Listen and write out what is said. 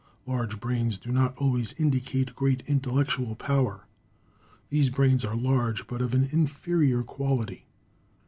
Large brains do not always indicate great intellectual power. These brains are large but of an inferior quality.